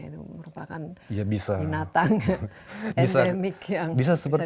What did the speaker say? itu merupakan binatang endemik yang bisa ditemukan